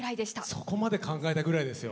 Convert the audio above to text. そこまで考えたぐらいですよ。